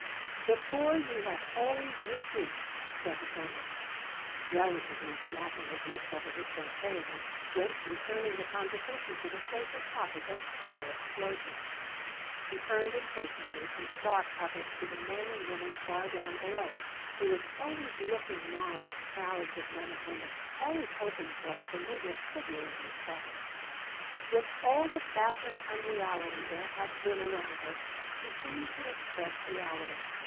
"The poor ye have always with you," said the Colonel, delicately smacking his lips over his champagne and gently turning the conversation to the safer topic of high explosives. He turned impatiently from thought of it to the men and women far down below. He was always looking now at crowds of men and women, always hoping for a familiar figure in those crowds. With all the baffling unreality there had been around her, she seemed to express reality.